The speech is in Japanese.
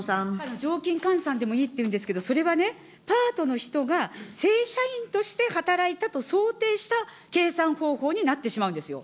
常勤換算でもいいって言うんですけど、それはね、パートの人が正社員として働いたと想定した計算方法になってしまうんですよ。